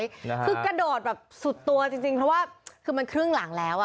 คือกระโดดสุดตัวจริงเพราะว่ามันครึ่งหลังแล้ว